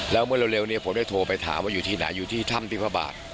แล้วเมื่อเร็วเนี่ยผมได้โทรไปถามว่าอยู่ที่ไหนอยู่ที่ถ้ำที่พระบาท